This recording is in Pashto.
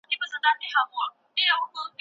کاڼي ته چي لاس کړم د اسمانه دا اواز راسي